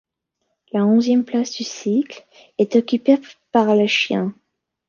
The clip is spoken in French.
La onzième place du cycle est occupée par le Chien.